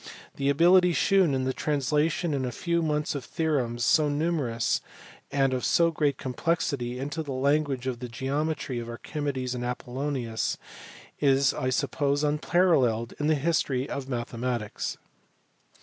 The ability shewn in the translation in a few months of theorems so numerous and of so great complexity into the language of the geometry of Archimedes and Apollonius is I suppose unparalleled in the history of mathematics.